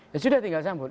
ya sudah tinggal sambut